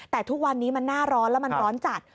แต่ทุกวันนี้มันหน้าร้อนแล้วมันร้อนจัด